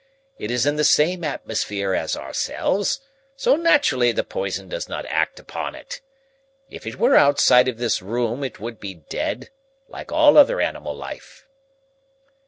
It is in the same atmosphere as ourselves, so naturally the poison does not act upon it. If it were outside of this room it would be dead, like all other animal life."